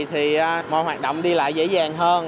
thì mọi hoạt động đi lại dễ dàng hơn